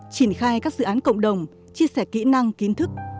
triển khai các dự án cộng đồng chia sẻ kỹ năng kiến thức